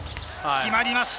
決まりました。